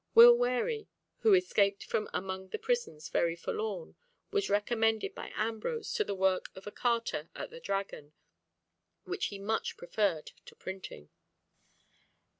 Will Wherry, who escaped from among the prisoners very forlorn, was recommended by Ambrose to the work of a carter at the Dragon, which he much preferred to printing.